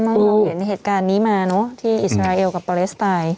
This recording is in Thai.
มักเห็นเหตุการณ์นี้มาเนอะที่อิสราเอลกับประเทศตาย